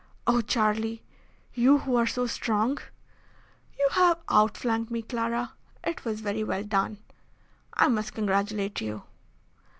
"Oh! Charlie, you who are so strong!" "You have outflanked me, Clara. It was very well done. I must congratulate you."